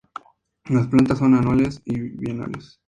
Las plantas son anuales o bienales.